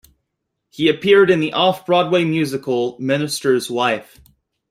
He appeared in the Off-Broadway musical "Minister's Wife".